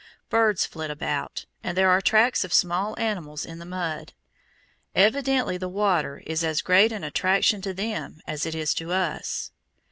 Birds flit about, and there are tracks of small animals in the mud. Evidently the water is as great an attraction to them as it is to us.